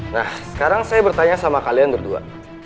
nah sekarang saya bertanya sama kalian berdua